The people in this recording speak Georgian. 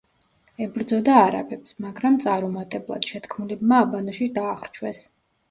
ებრძოდა არაბებს, მაგრამ წარუმატებლად, შეთქმულებმა აბანოში დაახრჩვეს.